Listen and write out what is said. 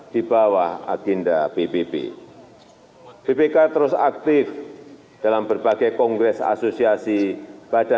dan mengembangkan keuangan negara